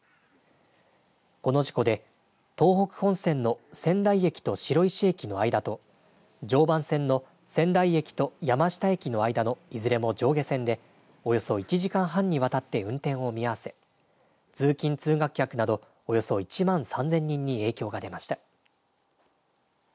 この事故で東北本線の仙台駅と白石駅の間と常磐線の仙台駅と山下駅の間のいずれも上下線でおよそ１時間半にわたって運転を見合わせ通勤、通学客などおよそ１万３０００人に影響が出ました。